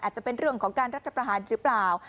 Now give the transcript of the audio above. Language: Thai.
จะเป็นเรื่องของการรัฐประหารหรือเปล่า